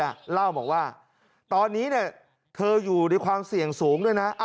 เล่าบอกว่าตอนนี้เธออยู่ในความเสี่ยงสูงด้วยนะ